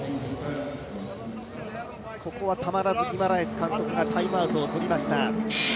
ここはたまらずギマラエス監督がタイムアウトを取りました。